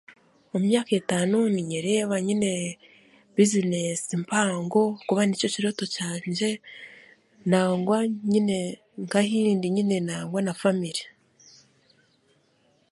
Omu myaka etaano ninyereba nyine bizinesi mpango kuba nikyo kirooto kyange nangwa nyine nk'ahindi nyine nangwa na famire.